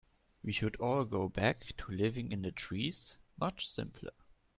We should all go back to living in the trees, much simpler.